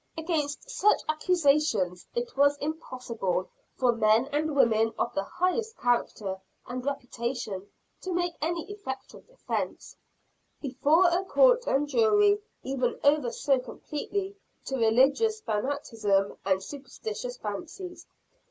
Against such accusations it was impossible for men and women of the highest character and reputation to make any effectual defence, before a court and jury given over so completely to religious fanaticism and superstitious fancies.